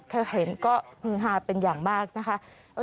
แค่เห็นก็ฮือฮาเป็นอย่างมากนะคะ